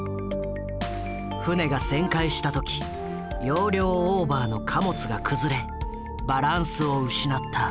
船が旋回した時容量オーバーの貨物が崩れバランスを失った。